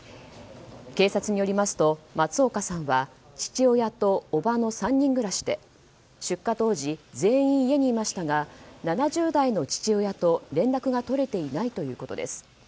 警察によりますと、松岡さんは父親とおばの３人暮らしで出火当時全員、家にいましたが７０代の父親と連絡が取れていないということです。